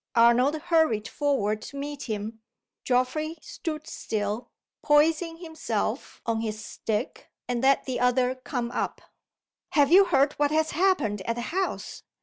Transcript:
Arnold hurried forward to meet him. Geoffrey stood still, poising himself on his stick, and let the other come up. "Have you heard what has happened at the house?"